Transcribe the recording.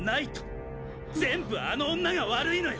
全部あの女が悪いのよ！